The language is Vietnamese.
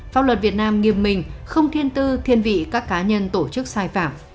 pháp luật việt nam nghiêm minh không thiên tư thiên vị các cá nhân tổ chức sai phạm